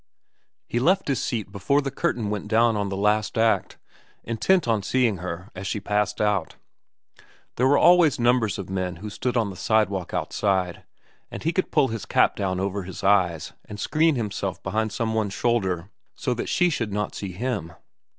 He left his seat before the curtain went down on the last act, intent on seeing Her as she passed out. There were always numbers of men who stood on the sidewalk outside, and he could pull his cap down over his eyes and screen himself behind some one's shoulder so that she should not see him.